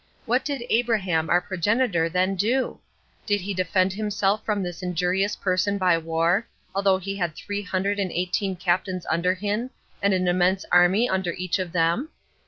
What did Abraham our progenitor then do? Did he defend himself from this injurious person by war, although he had three hundred and eighteen captains under him, and an immense army under each of them?